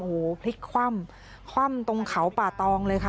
โอ้โหพลิกคว่ำคว่ำตรงเขาป่าตองเลยค่ะ